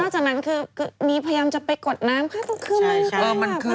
นอกจากนั้นคือคือนี่พยายามจะไปกดน้ำใช่ใช่เออมันคือ